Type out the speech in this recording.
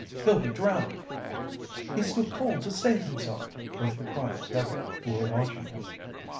"He'll be drowned! He's too cold to save himself!" was the cry of several who were watching him.